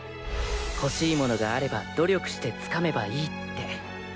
欲しいものがあれば努力して掴めばいいって。